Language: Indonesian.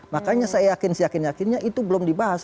makanya saya yakin saya yakin yakinnya itu belum dibahas